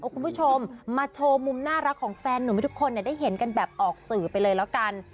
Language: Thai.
คุณผู้ชมมาโชว์มุมน่ารักของแฟนหนุ่มให้ทุกคนได้เห็นกันแบบออกสื่อไปเลยแล้วกัน